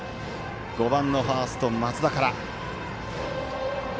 ５番のファースト松田から。